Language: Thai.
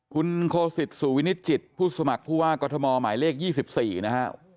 คุณโคสิตสู่วินิจิตผู้สมัครผู้ว่ากรทมหมายเลข๒๔นะฮะ